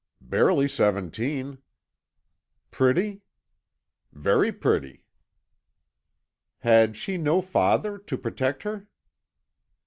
"Barely seventeen." "Pretty?" "Very pretty." "Had she no father to protect her?" "No."